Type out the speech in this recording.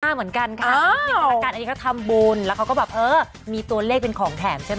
เหมือนกันค่ะอันนี้เขาทำบุญแล้วเขาก็แบบเออมีตัวเลขเป็นของแถมใช่ไหม